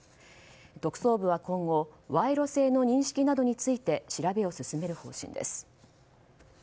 特捜部は今後賄賂性の認識などについて調べを進める方針です。